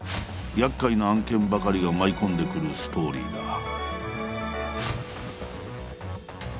厄介な案件ばかりが舞い込んでくるストーリーだ。